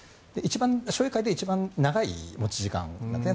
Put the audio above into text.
将棋界で一番長い持ち時間なんですね。